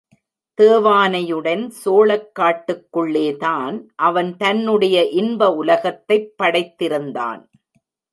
தேவானையுடன் சோளக் காட்டுக்குள்ளேதான் அவன் தன்னுடைய இன்ப உலகத்தைப் படைத்திருந்தான்.